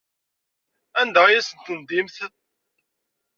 Anda ay asen-tendimt?